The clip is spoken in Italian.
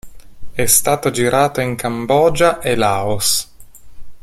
È stato girato in Cambogia e Laos.